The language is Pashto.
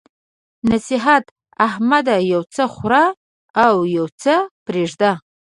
نصيحت: احمده! یو څه خوره او يو څه پرېږده.